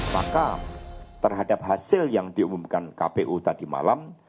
maka terhadap hasil yang diumumkan kpu tadi malam